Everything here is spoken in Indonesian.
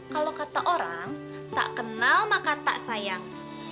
kalau kata orang tak kenal maka tak sayang